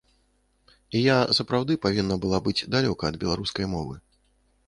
І я сапраўды павінна была быць далёка ад беларускай мовы.